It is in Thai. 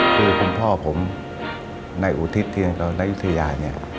คือคุณพ่อผมนายอุทิศธินกรณอยุธยา